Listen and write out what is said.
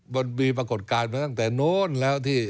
มันมีปรากฏการณ์มาตั้งแต่โน้นแล้วที่